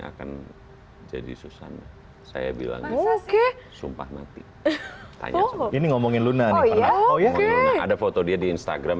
akan jadi susana saya bilang oke sumpah nanti ini ngomongin luna oh ya oh ya ada foto dia di instagram